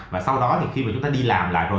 và sau đó thì khi mà chúng ta đi làm lại rồi